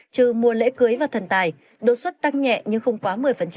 trừ mùa lễ cưới và thần tài đột xuất tăng nhẹ nhưng không quá một mươi